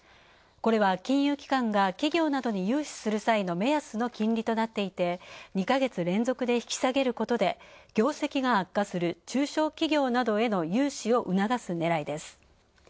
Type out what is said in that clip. これは金融機関が企業などに融資する際の目安の金利となっていて２か月連続で引き下げることで、業績が悪化する中小企業などへの融資を促すねらいです。